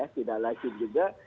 tidak laksu juga